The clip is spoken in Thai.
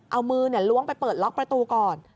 เอามือล้วงไปเปิดล็อกประตูก่อน